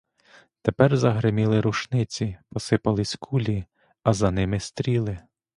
Тепер загриміли рушниці, посипались кулі, а за ними стріли.